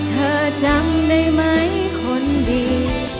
เธอจำได้ไหมคนดี